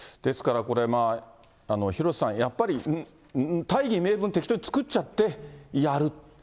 ですからこれ、廣瀬さん、やっぱり大義名分、適当に作っちゃってやる。